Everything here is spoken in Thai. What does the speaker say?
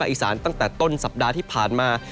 อีสานตั้งแต่ต้นสัปดาห์ที่ผ่านมา